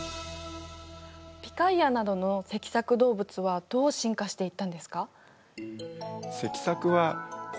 ピカイアなどの脊索動物はどう進化していったんですか？